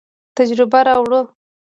تجربه راوړو.